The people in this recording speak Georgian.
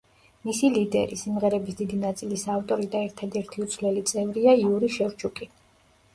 მისი ლიდერი, სიმღერების დიდი ნაწილის ავტორი და ერთადერთი უცვლელი წევრია იური შევჩუკი.